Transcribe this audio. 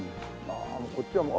ああこっちはもう。